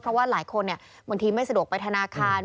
เพราะว่าหลายคนบางทีไม่สะดวกไปธนาคาร